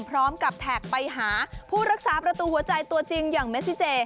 พร้อมกับแท็กไปหาผู้รักษาประตูหัวใจตัวจริงอย่างเมซิเจ